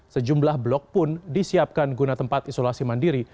sejumlah blok pun disiapkan guna tempat isolasi mandiri